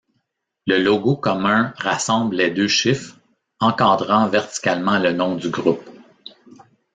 Le logo commun rassemble les deux chiffres, encadrant verticalement le nom du groupe.